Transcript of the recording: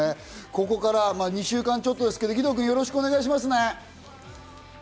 ここから２週間ちょっとですが、義堂君、よろしくお願いしますね。